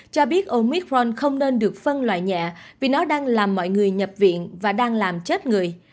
cho biết omicron không nên được phân loại nhẹ vì nó đang làm mọi người nhập viện và đang làm chết người